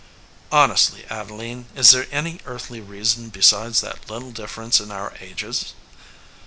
"Honestly, Adeline, is there any earthly reason besides that little difference in our ages